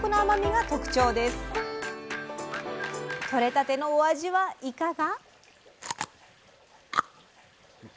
とれたてのお味はいかが？